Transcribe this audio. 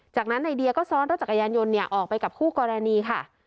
จากนั้นในเดียก็ซ้อนรถจักรยานยนต์ออกไปกับคู่กรณีค่ะ